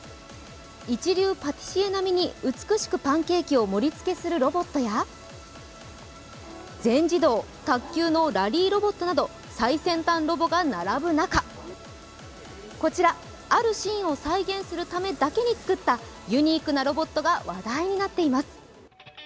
一流パティシエ並みに美しくパンケーキを盛りつけするロボットや全自動、卓球のラリーロボットなど最先端ロボが並ぶ中、こちら、あるシーンを再現するためだけに作ったユニークなロボットが話題になっています。